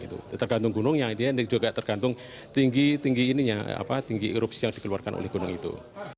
tergantung gunungnya ini juga tergantung tinggi erupsi yang dikeluarkan oleh gunung itu